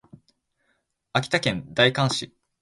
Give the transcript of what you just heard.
秋田県大館市